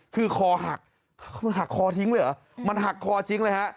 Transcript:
คือคอหักมันหักคอทิ้งเลยเหรอมันหักคอทิ้งเลยฮะ